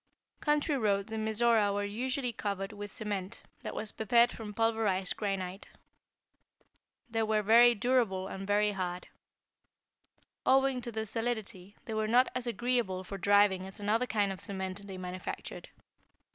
Country roads in Mizora were usually covered with a cement that was prepared from pulverized granite. They were very durable and very hard. Owing to their solidity, they were not as agreeable for driving as another kind of cement they manufactured.